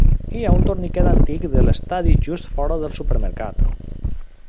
Hi ha un torniquet antic de l'estadi just fora del supermercat.